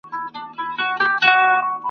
مگر گوره یولوی ځوز دی زما په پښه کی !.